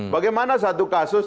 bagaimana satu kasus